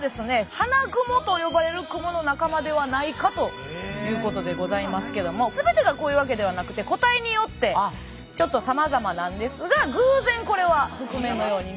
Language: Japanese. ハナグモと呼ばれるクモの仲間ではないかということでございますけども全てがこういうわけではなくて個体によってちょっとさまざまなんですが偶然これは覆面のように見えたと。